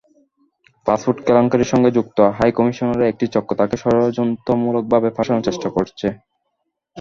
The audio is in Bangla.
পাসপোর্ট কেলেঙ্কারির সঙ্গে যুক্ত হাইকমিশনের একটি চক্র তাঁকে ষড়যন্ত্রমূলকভাবে ফাঁসানোর চেষ্টা করছে।